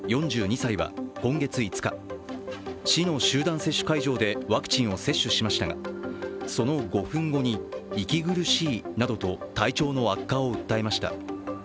４２歳は今月５日、市の集団接種会場でワクチンを接種しましたがその５分後に、息苦しいなどと体調の悪化を訴えました。